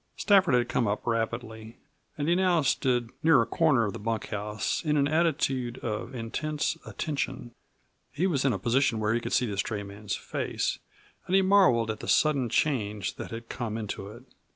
Stafford had come up rapidly, and he now stood near a corner of the bunkhouse in an attitude of intense attention. He was in a position where he could see the stray man's face, and he marveled at the sudden change that had come into it.